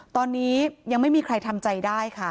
ตอนนี้ยังไม่มีใครทำใจได้ค่ะ